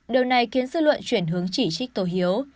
điều này khiến dư luận chuyển hướng chỉ trích cầu hiếu